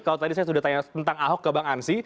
kalau tadi saya sudah tanya tentang ahok ke bang ansi